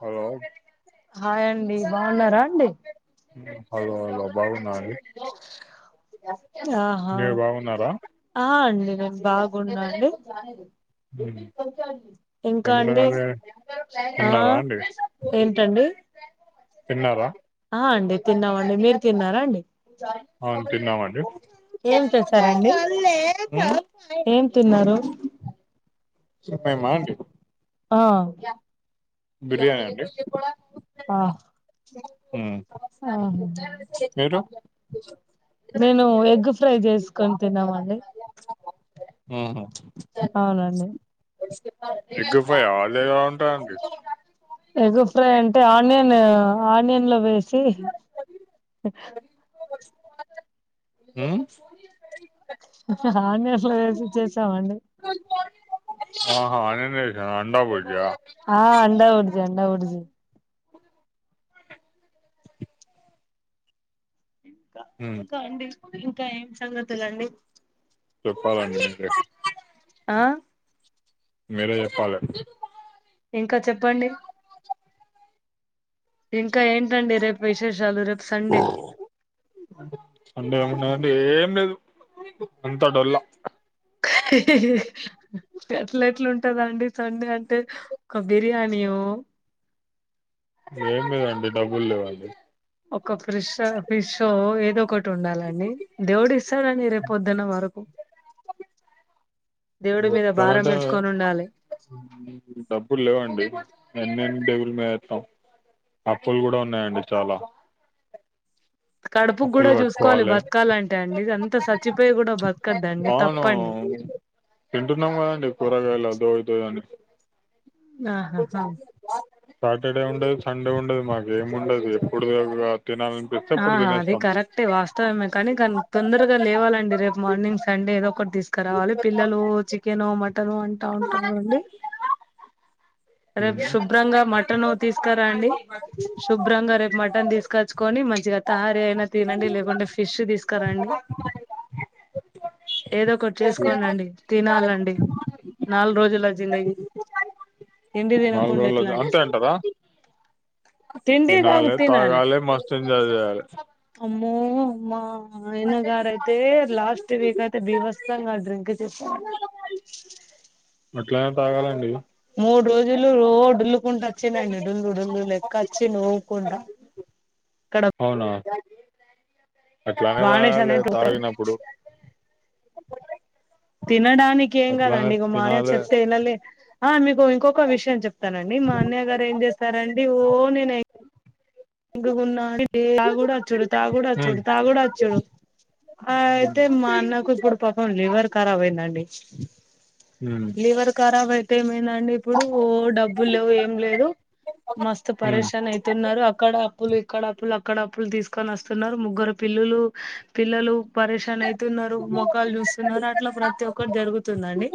Hello hi అండి బాగున్నారా అండి హలో హలో బాగున్నా అండి ఆ హ మీరు బాగున్నారా ఆ అండి నేను బాగున్నా అండి ఉమ్. ఇంకా ఏం అండి తినాలి ఆ తిన్నారా అండి ఏంటండి తిన్నారా ఆ అండి తిన్నామండి మీరు తిన్నారా అండి అవును తిన్నమండి ఏం చేశారండి ఉమ్ ఏం తిన్నారు చెప్పెయమ్మా అండి ఆ బిర్యాన అండి ఆ ఉమ్ నేను ఎగ్ ఫ్రై చేసుకుని తిన్నామండి ఆహా అవునండి ఎగ్ ఫ్రైయా అది ఎలా ఉంటాదండి ఎగు ఫ్రై అంటే ఆనియన్ ఆనియన్‌లో వేసి హ్మ్ ఆనియన్‌లో ఏసి చేసామండి ఆహా ఆనియన్లో ఎశారా అండ బజ్జియా జండ ఉరుజు హ్మ్ ఇంకా అండి ఇంకా ఏం సంగతులండి చెప్పాలండి మీరే, ఆ మీరే చెప్పాలే ఇంకా చెప్పండి ఇంకా ఏంటండి రేపు విశేషాలు రేపు సండే సండే ఏమున్నదండి ఏం లేదు అంతా డొల్లా అట్ల ఎట్లుంటదండి సండే అంటే ఒక బిర్యానీయో ఏం లేదండి డబ్బులు లేవండి ఒక ఫ్రిషా ఫిషో ఏదో ఒకటి ఉండాలండి దేవుడు ఇ స్తాడండి రేపు పొద్దున వరకు దేవుడి మీద భారం ఇస్తారంటే ఏసుకొని ఉండాలి డబ్బులు లేవండి ఎన్ని అని దేవుళ్ళ మీద ఎత్తం అప్పులు కూడా ఉన్నాయండి చాలా అప్పులు కడుపుకూడా చూసుకోవాలి కట్టుకోవాలి బతకాలంటే అండి అంత సచ్చిపోయి కూడా బతకద్దండి తప్పండి తింటు ఉన్నాం కద అండి కూరగాయలొ అదో ఇటో అండి ఆహాహా చ సాటర్డే ఉండదు సండే ఉండదు మాకే ఏమ్ ఉండదు ఎప్పుడు ఇగ తినాలి ఆ అది కరెక్టే వాస్త స్తవమే మరి కానీ కాని తొందరగా లేవాల అండి రేపు మార్నింగ్ సండే ఏదో ఒకటి తీసుకురావాలి పిల్లలు చి కేను మటను అంట్ టా ఉంటానఅండి రేపు శుభ్రంగా మటను తీసుకు రా అండి శుభ్రంగా రేపు మటన్ తీసుకొచ్చుకొని మంచిగా తయారీ అయినా తినఅండి లేకుంటే ఫిష్ తీసుకురా అండి ఏదో ఒకటి వసే చేసుకోన అండి తినాల అండి నాలుగు రోజుల జిందగి తిండి నాలుగు తినకుండా ఎట్లా రోజులు అంతే అంటారా తిండి కాదు తినాలే తినాలి తాగాలే మస్త్ ఎంజాయ్ చేయాలే అమ్మో అమ్మా ఆ ఆయన గారు అయితే లాస్ట్ వీక్ అయితే బీవ్ వస్తంగా డ్రింక్ చేస్తారు అట్లా తాగాల అండి మూడు రోజులు రో డుల్లుకుంటా వచ్చిండ్రు అండి డుల్లు డుల్లు లెక్క వచ్చిండు ఊపుకుంటా అవునా అట్లానే బానేష్ తాగాలి అనేటోడు తాగినఅప్పుడు తినడానికి ఏమ్ గాద అట్లానే అండి ఇగో మాయ తినాలే చెప్ తే ఇనలే ఆ మీకు ఇంకొక విషయం చెప్తాన అండి మా అన్నయ్య గారు ఏం చేస్తార అండి ఓ నేనే ఇంక కొన్నాడికి తా గూడు వచ్చోడు తా గుడు హ్మ్ వచ్చోడు తా గూడు వచ్చోడు ఆ అయితే మా అన్నకు ఇప్పుడు పాపం లివర్ కరాబ్ అయింద అండి అ లివర్ కరాబ్ అయితే ఏమైంద అండి ఇప్పుడు ఓ డబ్బు లేవు ఏం లేదు మస్తు హ్మ్ హ్మ్ పరషాన్ అయితు ఉన్నారు అ అక్కడ అప్పులు ఇక్కడ అప్పులు అక్కడ అప్పులు తీసుకొని వస్తున్నారు ముగ్గురు పిల్లులు పిల్లలు పరేషాన్ అయితు ఉన్నారు మొఖాలు చూస్తున్నారు అట్లా ప్రతి ఒక్కరు జరుగుతుంద అండి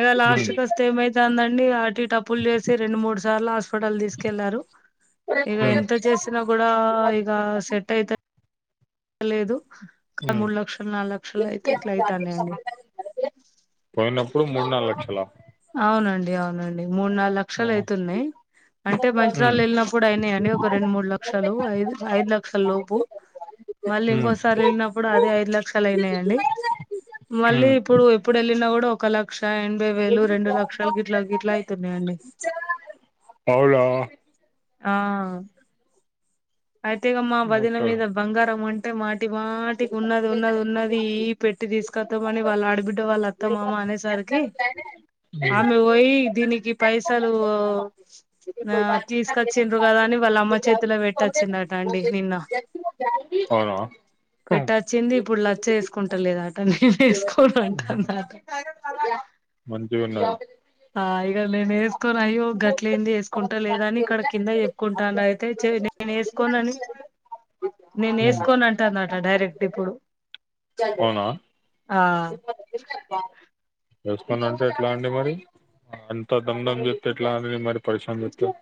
ఏద లాస్ట్ కోస్త్ తే ఏమైతుంద అండి అటి ఇట అప్పులు చేసి రెండు మూడు సార్లు హాస్పిటల్ తీసుకెళ్లారు ఇగ హ్మ్ ఎంత చేసినా కూడా ఇగ సెట్ అయిత లేదు ఇక హ్మ్ మూడు లక్షలు నాలుగు లక్షలు అయితే ఇట్లా అయితన్నాయఅండి పోయిన అప్పుడు మూడునాల్గ్ లక్షలా అవున అండి అవున అండి మూడు నాలుగు లక్షలు అయితు ఉమ్ ఉన్నాయి అంటే మంచరాలు వెళ్ళిన అప్పుడు అయినాయ అండి ఒక రెండు మూడు లక్షలు ఐదు ఐదు లక్షల లోపు మళ్ళీ ఉమ్ ఇంకొ ఉమ్ సారి వెళ్ళిన అప్ ప్పుడు అదే ఐదు లక్షలు అయినాయ అండి మళ్ళీ ఇప్పుడు ఎప్పుడు వెళ్ళినా కూడా ఒక లక్ష క్ష ఎనభై వేలు రెండు లక్షలు గిట్ల గిట్లా అయితు ఉన్నాయ అండి అవులా ఆ అయితేగా మా వదిన ఓకే మీద బంగారం అంటే మాటి మాటికి ఉన్నది ఉన్నది ఉన్నది ఉన్న అది పెట్టి తీసుకతామని వాళ్ళ ఆడబిడ్డ వాళ్ళు అత్తా మామా అనేసరికి ఆమే బొయి దీనికి పైసలు ఆ తీసుకొచ్చిండ్రు కదా అని వాళ్ళ అమ్మ చేతిలో పెట్ ట్ట వచ్చింద అట అండి నిన్న అవునా పెట్ట వచ్చింది ఇప్పుడు లక్ష వేసుకుంటాలేదా అంట నేను వేసుకోను అంటాట ఇ మంచి ఉన్నా ఆ ఇక్కడ నేను వేసుకోొని అయ్యో గట్లేంది వేసుకుంటా లేద అని ఇక్కడ కింద చెప్పుకుంటాను అయితే నేను వేసుకోనని నేను వేసుకోను అంటంది అంట డైరెక్ట్ ఇప్పుడు అవునా అ [unintelligible] ఎట్లా అండి మరి అంత దందం జేతే ఎట్ల ఆ మరి పరిషాన్ జేతే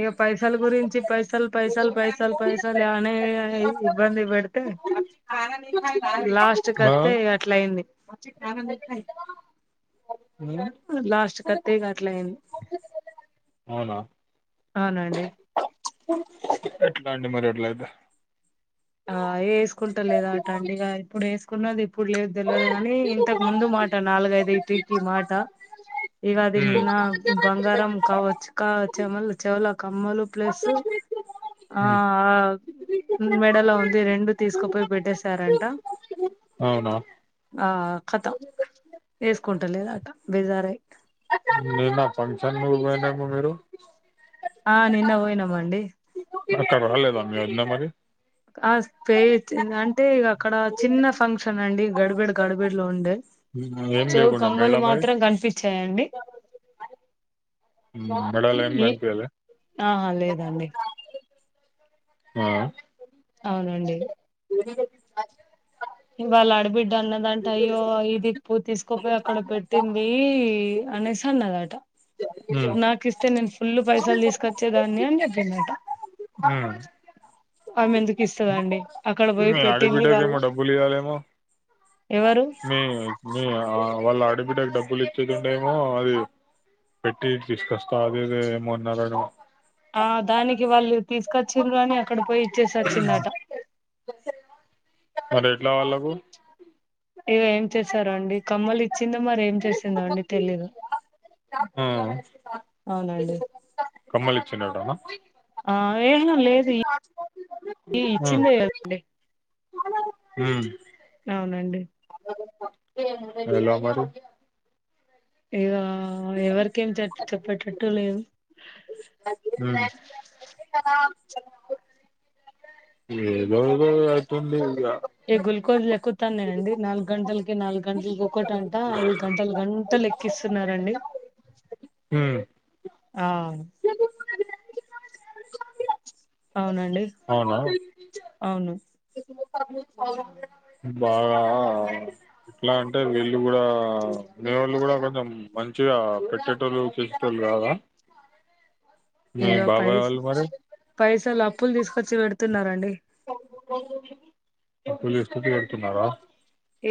ఇగ పైసలు గురించి పైసల్ పైసల్ పైసల్ పైసల్ అనే ఇబ్బంది పెడితే లాస్ట్ ఆ [unintelligible] అట్లా అయింది ఉమ్. లాస్ట్ కతె ఇగ అట్లా అయింది అవునా అవునండి ఎట్ల అండి మరి అట్లయితే అ అయే వేసుకుంట లేదా అట అండిగా ఇప్పుడు వేసుకున్నది ఇప్పుడు లేదు తెలియదు కాని ఇంతకు ముందు మ [unintelligible] ఐదు ఈ పీకి మాట ఇగ అది నిన్న బంగారం కావచ్చు కా చెమల చెవులో కమ్మలు ప్లస్ ఆ [unintelligible] [unintelligible] ఉంది రెండు తీసుకుపోయి పెట్టేేశారంట అవునా అ కత వేసుకుంటలేదాట బెజారై నీన్న ఫంక్షన్ ముడి పోయినామ మీరు ఆ నిన్న పోయినం అండి [unintelligible] రాలేదా మీరంత మరి పే అంటే ఇ అక్కడ చిన్న ఫంక్షన్ అండి గడిబేడ గడిబేడ లో ఉండే ఏం చెవు లేకుండా కమ్మలు మెడలో మరి మాత్రం కనిపిచాయండి [unintelligible] ఆహా లేదండి ఆ అవునండి ఇవాళ అడబిడ్డ అన్నదాంటే అయ్యో ఇదిప్పు తీసుకోపోయి అక్కడ పెట్టింది అనేస్ అన్నదట హ్మ్ నాకు ఇస్తే నేను ఫుల్ పైసల్ తీసుకొచ్చేదాన్ని అని చెప్పిందట హ అమె ఎందుకు ఇస్తదండి అక్కడ పోయ్ అ అడబిడ్డకేమో డబ్బులు ఇయ్యలేమో ఎవరు మీ మీ వాళ్ళ ఆడబిడ్డకి డబ్బులు ఇచ్చేదిందేమో అది పెట్టి తీసుకొస్తా అదిది ఏమోఅన్నారని అ దానికి వాళ్ళు తీసుకొచ్చిండ్రనీ అక్కడ పోయి ఇచ్చేసి వచ్చిందట మరెట్ల వాళకు [unintelligible] చేసారు అండి కమ్మల్ ఇచ్చిందో మరి ఏం చేసిందొ అండి తెలీదు అవునండి కమ్మల్ [unintelligible] [unintelligible] లేదు ఇచ్చింది కదండి హు అవునండి [unintelligible] ఇగ ఎవరికేం చె చెప్పేటట్టు లేదు [inaudible] [inaudible] ఏదో ఏదో అవుతుంది ఇగ ఏ గుల్కోసులు ఎక్కుతనే తినండి నాలుగు గంటలకి నాలుగు గంటలకి ఒకటంట అది గంటల గంటలక్ క్కిస్తున్నారండి హ్మ్ ఆ అవునండి అవునా అవును [inaudible] బాగా ఎయ్ అంటే వీళ్ళు గుడా మ వాళ్ళు కూడా కొంచెం మంచిగా పెట్టేటోళ్ళుకి తో య్యాల ఇగ పైస వాళ్ళు మరి పైసలు అప్పులు తీసుకొచ్చి పెడుతున్నారంండి తీసుకొచ్చి పెడుతున్నార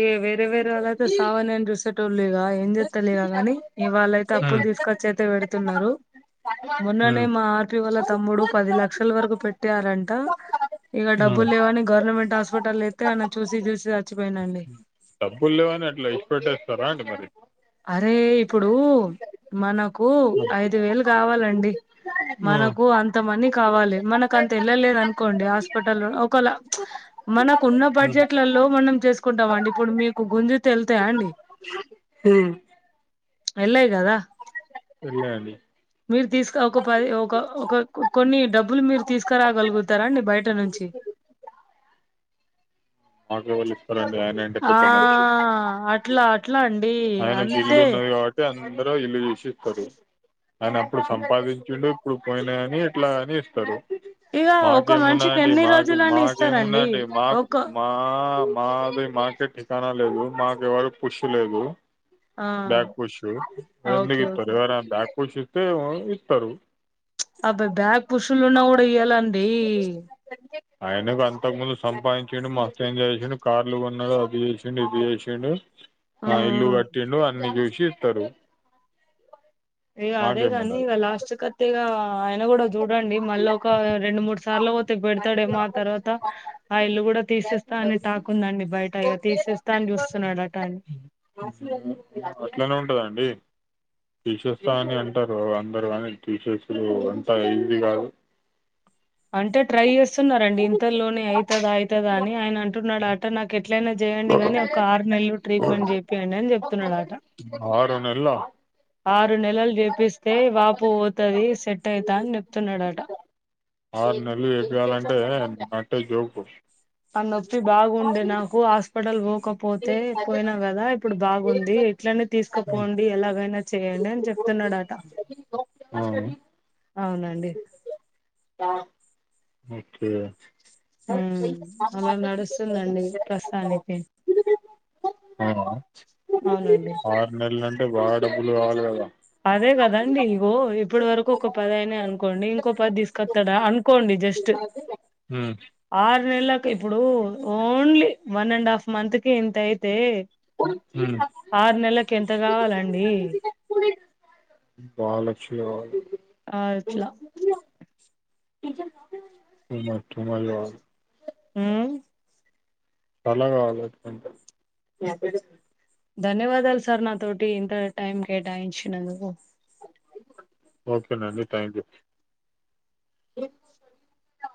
ఏ వేరే వేరే వాళ్ళు అయితే సావనె అని పిస్త తుందిగా ఏం చెస్తలి ఇకగాని ఇవాళ్ళైతే అప్పులు తీసుకొచ్చి అయితే పెడుతున్నారు. మొన్ననే హ్మ్ మా ఆర్టీ వాళ్ళ తమ్ముడు పది లక్షల వరకు పెట్టారంట. ఇక హ్మ్ డబ్బులు లేవని హ్మ్ గవర్నమెంట్ హాస్పిటల్ ఎత్తే ఆయినా చూసి చూసి చచ్చిపోయిండండి. డబ్బులు లేవు అని అట్లా విడిచిపెట్టేస్తరా అండి మరి అరే ఇప్పుడు మనకు ఐదు వేలు కావాలండి. ఆ మనకు అంత మనీ కావాలి మనకు అంత వెళ్ళలేదు అనుకోండి హాస్పిటల్ లో ఒకలా మ్మ్ మనకు ఉన్న బడ్జెట్లలో మనం చేసుకుంటాం అండి ఇప్పుడు మీకు గుంజు తెళ్తయ అండి. హు వెల్లేదా ఆ, సర్లే అండి మీరు తీసుక ఒక పది ఒక ఒక కొన్ని డబ్బులు మీరు తీసుకురాగలుగుతార అండి బయట నుంచి మాకెవలు ఇస్తారండీ ఆయన ఎంత ఆ పెద్ద మనిషి అట్లా అట్లా అండి ఆయనకి అంతే ఇల్లున్నది కాబట్టి అందరు ఇల్లు చూసి ఇస్తారు. అని అప్పుడు సంపాదించుండు ఇప్పుడు పోయినా అని ఇట్లా అని ఇస్తరు. ఇక ఒక మాకేమున్నాయ్ మనిషికి అండి ఎన్ని మాకు రోజులని మాకేమున్నా ఇస్తారండి అండి మాకు ఒక మా మాది మాకే ఠికాన లేదు మాకెవరు ఇప్పిస్తా లేదు ఆ బ్యాక్ పుష్ ఓకే ఎందుకిత్తరు ఓకే ఎవరు అయినా బ్యాక్ పుష్ ఇస్తే ఇతరు అబ్బ బ్యాగ్ పుషులు ఉన్నా కూడ ఇయ్యాలండి. [inaudible] ఆయనకు అంతకు ముందు సంపాదించిండు మస్తు ఎంజాయ్ చేసిండు. కార్లు కొన్నాడు అది చేసిండు ఇది చేసిండు ఆ ఇల్లు ఉమ్. గట్టిండు అన్ని జేసి ఇస్తారు. ఇగ అదే కానీ మాకేమున్నది ఇగ లాస్ట్ కి కట్టేది ఆమ కూడా చూడండి మళ్ళీ ఒక రెండు మూడు సార్లు పోతే పెడతాడేమో ఆ తర్వాత ఆ ఇల్లు కూడ తీసేస్తా అని టాకు ఉంది అండి బయట తీసేస్తా అని చూస్తున్నాడు అటని అట్లనే ఉంటదండి. తీసేస్తా అని అంటారు అందరు కానీ తీసేసుడు అంతా ఈజీ కాదు. అంటే ట్రై చేస్తున్నాడండి ఇంతలోనే అయితదా అయితుదా అని ఆయన అంటున్నాడు ఆట నాకు ఎట్లయినా చేయండి గాని ఒక ఆరు నెలలు ట్రీట్మెంట్ చెప్పేయండి అని చెబుతున్నాడట. ఆరు నెల్లా ఆరు నెలలు చేపిస్తే వాపు పోతది సెట్ అయితా అని చెప్తున్నాడట. ఆరు నెలలు చేపియ్యాలంటే నాటే జోక్ అ నొప్పి బాగుండే నాకు హాస్పిటల్ పోకపోతే పోయినా కదా ఇప్పుడు బాగుంది. ఇట్లని తీసుకుపోండి ఎలాగైనా చేయండి అని చెప్తున్నాడాట. [inaudible] అవునండి. ఓకే. ఆ ఉ అలా నడుస్తుందండి ప్రస్తుతానికి ఆ అవునండి. నెల్ అంటే బా డబ్బులు కావాలి కదా. అదే కదండి ఇగో ఇప్పడు వరకు ఒక పద అయినా అనుకోండి ఇంకో పది తీసుకొస్తాడా అనుకోండి జస్ట్ [inaudible] మ్మ్ ఆరు నెలకు ఇప్పుడు only one and half month కి ఇంత అయితే మ్మ్ ఆరు నెలలకి ఎంత కావాలండి. బాలక్ష్మిీ ఆ ఇట్లా [unintelligible] [unintelligible] మ్ అలాకాదు [unintelligible] ధన్యవాదాలు సార్ నాతోటి ఇంత టైం కేటాయించినందుకు ఓకేనండి థ్యాంక్ యూ